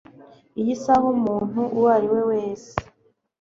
iyi saha umuntu uwo ari we wese